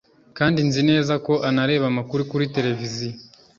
kandi nzi neza ko anareba amakuru kuri televiziyo